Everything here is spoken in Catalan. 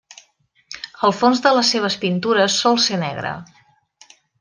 El fons de les seves pintures sol ser negre.